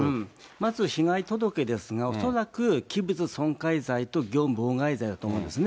まず被害届ですが、恐らく器物損壊罪と業務妨害罪だと思うんですね。